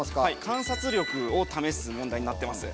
観察力を試す問題になってます。